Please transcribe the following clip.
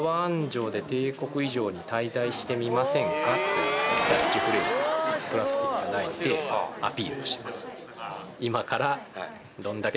いうキャッチフレーズを作らせていただいてアピールをしてます。